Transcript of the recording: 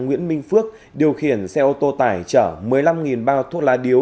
nguyễn minh phước điều khiển xe ô tô tải chở một mươi năm bao thuốc lá điếu